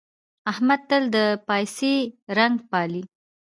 احمد تل د پايڅې رنګ پالي.